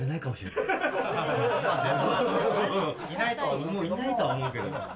いないとは思うけど。